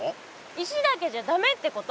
石だけじゃだめってこと。